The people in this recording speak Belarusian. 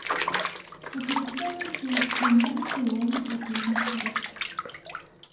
Выкарыстоўваецца як прынада пры лоўлі драпежных рыб.